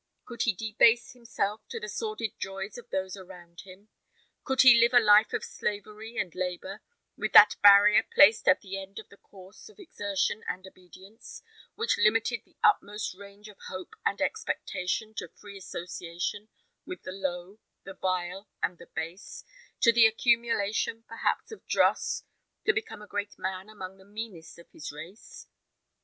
Could he debase himself to the sordid joys of those around him? Could he live a life of slavery and labour, with that barrier placed at the end of the course of exertion and obedience, which limited the utmost range of hope and expectation to free association with the low, the vile, and the base; to the accumulation, perhaps, of dross; to become a great man among the meanest of his race?